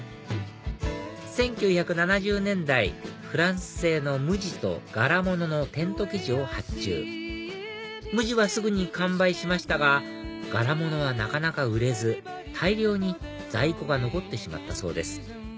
１９７０年代フランス製の無地と柄物のテント生地を発注無地はすぐに完売しましたが柄物はなかなか売れず大量に在庫が残ってしまったそうです